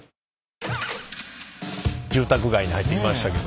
住宅街に入ってきましたけど。